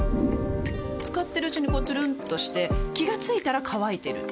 使ってるうちにこうトゥルンとして気が付いたら乾いてる